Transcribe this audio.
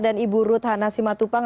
dan ibu ruth hana simatupang